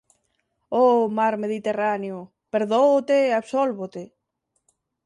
Oh mar Mediterráneo! Perdóote e absólvote.